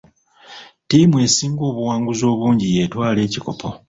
Ttiimu esinga obuwanguzi obungi yeetwala ekikopo.